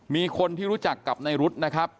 มีคนที่รู้จักกับในรุ๊ดนะครับ